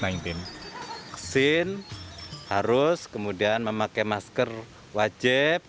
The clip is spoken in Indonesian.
vaksin harus kemudian memakai masker wajib